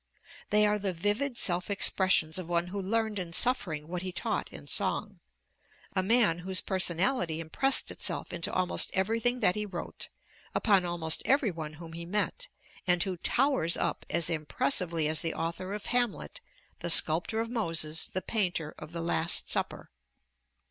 They are the vivid self expressions of one who learned in suffering what he taught in song: a man whose personality impressed itself into almost everything that he wrote, upon almost every one whom he met, and who towers up as impressively as the author of 'Hamlet,' the sculptor of 'Moses,' the painter of 'The Last Supper.'